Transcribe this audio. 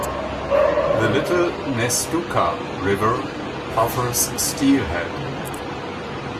The Little Nestucca River offers steelhead.